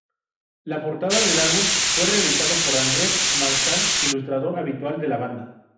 La portada del álbum fue realizado por Andreas Marschall, ilustrador habitual de la banda.